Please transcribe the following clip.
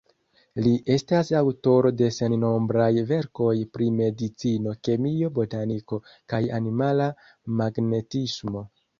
Li estas aŭtoro de sennombraj verkoj pri Medicino, Kemio, Botaniko kaj Animala Magnetismo.